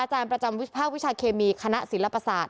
อาจารย์ประจำวิภาควิชาเคมีคณะศิลปศาสต